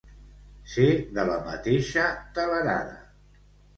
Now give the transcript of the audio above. Ser de la mateixa telerada.